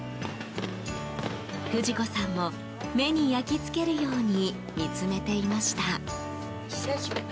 不二子さんも目に焼き付けるように見つめていました。